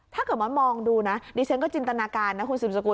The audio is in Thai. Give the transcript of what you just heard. ถ้าเกิดว่ามองดูนะดิฉันก็จินตนาการนะคุณสืบสกุ